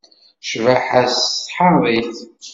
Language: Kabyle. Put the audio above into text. Cbaḥa-s tseḥḥer-it.